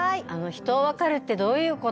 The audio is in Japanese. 人をわかるってどういう事？